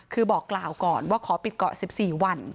คือบอกกล่าวก่อนว่าขอปิดเกาะ๑๔วัน